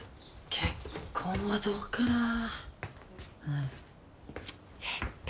結婚はどうかなヘタ！